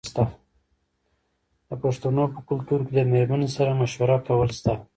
د پښتنو په کلتور کې د میرمنې سره مشوره کول شته.